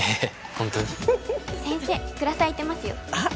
ホントに先生グラス空いてますよあっ